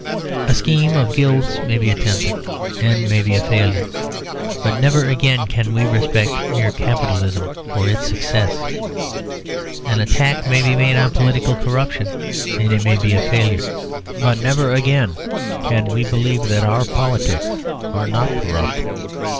A scheme of guilds may be attempted and may be a failure; but never again can we respect mere Capitalism for its success. An attack may be made on political corruption, and it may be a failure; but never again can we believe that our politics are not corrupt.